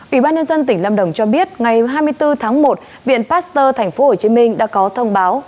ủy ban nhân dân tỉnh lâm đồng cho biết ngày hai mươi bốn tháng một viện pasteur tp hcm đã có thông báo